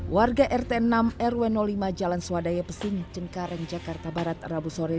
warga rt enam rw lima jalan swadaya pesing cengkareng jakarta barat rabu sore